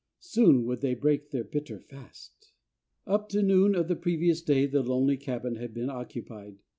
Soon would they break their bitter fast. Up to noon of the previous day the lonely cabin had been occupied.